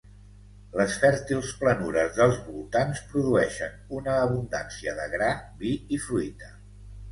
Les fèrtils planures dels voltants produeixen una abundància de gra, vi i fruita.